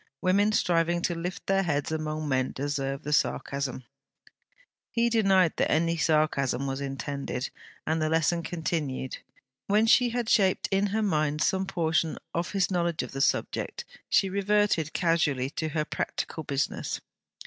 'Women striving to lift their heads among men deserve the sarcasm.' He denied that any sarcasm was intended, and the lesson continued. When she had shaped in her mind some portion of his knowledge of the subject, she reverted casually to her practical business.